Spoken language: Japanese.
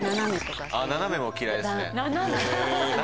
斜めも嫌いですね。